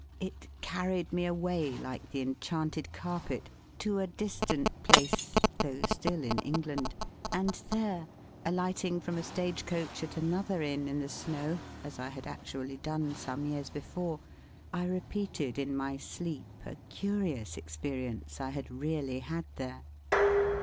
It carried me away, like the enchanted carpet, to a distant place (though still in England), and there, alighting from a stage coach at another Inn in the snow, as I had actually done some years before, I repeated in my sleep a curious experience I had really had there.